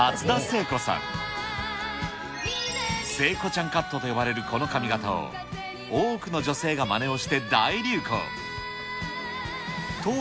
聖子ちゃんカットと呼ばれるこの髪形を、多くの女性がまねをして大流行。